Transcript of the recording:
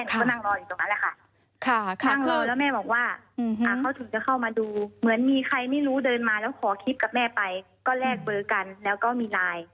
เชิญมาแล้วขอคลิปกับแม่ไปก็แลกเบอร์กันแล้วก็มีไลน์